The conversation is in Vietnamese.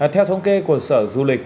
theo thống kê của sở du lịch